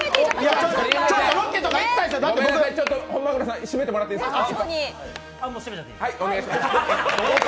ちょっと本鮪さん、締めてもらっていいですか？